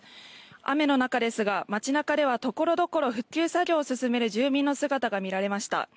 雨の中ですが街中ではところどころ復旧作業を進める住民の姿が見られました。